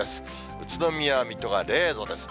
宇都宮、水戸が０度ですね。